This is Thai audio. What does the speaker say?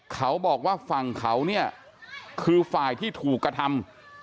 เขาบอกว่าฝั่งเขาเนี่ยคือฝ่ายที่ถูกกระทำ